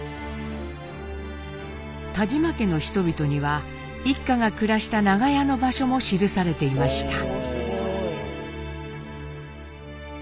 「田島家の人々」には一家が暮らした長屋の場所も記されていました。